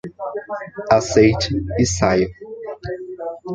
Aceite e saia.